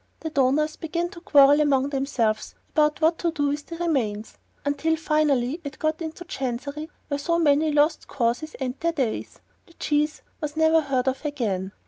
The donors began to quarrel among themselves about what to do with the remains, until finally it got into Chancery where so many lost causes end their days. The cheese was never heard of again.